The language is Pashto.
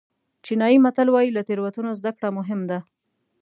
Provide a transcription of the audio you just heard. چینایي متل وایي له تېروتنو زده کړه مهم ده.